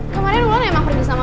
kemaren lo memang pergi sama roman